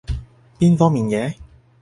邊方面嘅？